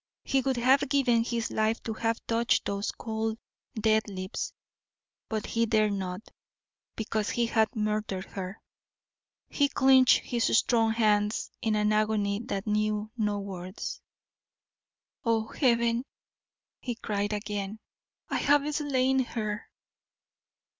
He would have given his life to have touched those cold, dead lips, but he dare not, because he had murdered her. He clinched his strong hands in an agony that knew no words. "Oh, Heaven!" he cried again; "I have slain her!"